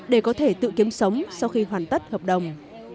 để có thể tự kiếm sống sau khi hoàn tất hợp đồng